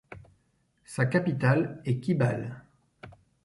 Sa capitale est Kibaale.